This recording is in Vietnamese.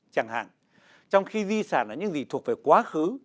chẳng hạn trong khi di sản là những gì thuộc về quá khứ